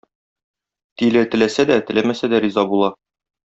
Тиле теләсә дә, теләмәсә дә риза була.